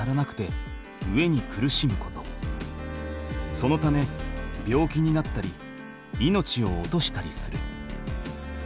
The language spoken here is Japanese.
そのため病気になったり命を落としたりする。